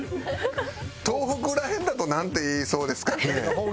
東北ら辺だとなんて言いそうですかね？